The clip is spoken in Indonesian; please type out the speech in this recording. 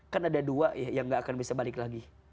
kan ada dua ya yang gak akan bisa balik lagi